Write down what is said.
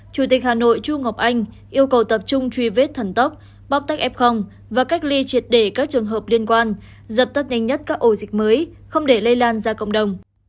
chủ tịch hà nội chu ngọc anh yêu cầu tập trung truy vết thần tốc bóc tách f và cách ly triệt để các trường hợp liên quan dập tắt nhanh nhất các ổ dịch mới không để lây lan ra cộng đồng